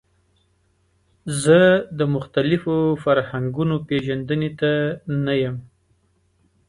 زه د مختلفو فرهنګونو پیژندنې ته نه یم.